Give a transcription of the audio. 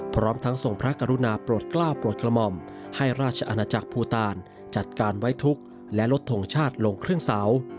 พร้อมทั้งส่งพระกรุณาโปรดกล้าวโปรดกระหม่อมให้ราชอาณาจักรภูตาลจัดการไว้ทุกข์และลดทงชาติลงครึ่งเสา